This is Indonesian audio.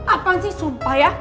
apaan sih sumpah ya